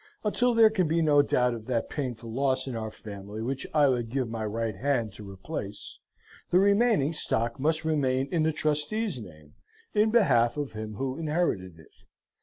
Until there can be no doubt of that painful loss in our family which I would give my right hand to replace, the remaining stock must remain in the trustees' name in behalf of him who inherited it.